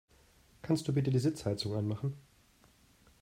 Kannst du bitte die Sitzheizung anmachen?